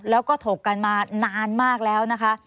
แล้วก็ถกกันมานานมากแล้วนะคะ